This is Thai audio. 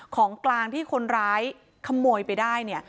ของกลางที่คนร้ายขโมยไปได้เนี่ย